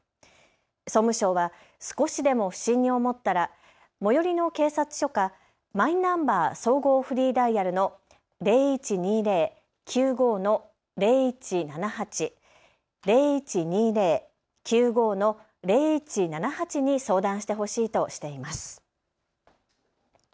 総務省は少しでも不審に思ったら最寄りの警察署かマイナンバー総合フリーダイヤルの０１２０−９５−０１７８に相談してほしいとしています。